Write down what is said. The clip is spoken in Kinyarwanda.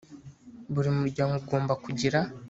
Buri muryango ugomba kugira